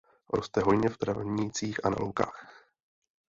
Roste hojně v trávnících a na loukách.